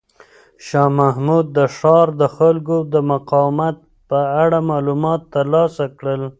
شاه محمود د ښار د خلکو د مقاومت په اړه معلومات ترلاسه کړل.